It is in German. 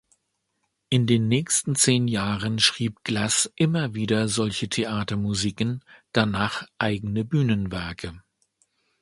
In den nächsten zehn Jahren schrieb Glass immer wieder solche Theatermusiken, danach eigene Bühnenwerke.